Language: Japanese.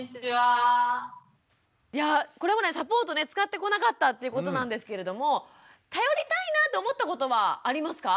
いやこれまでサポートね使ってこなかったっていうことなんですけれども頼りたいなって思ったことはありますか？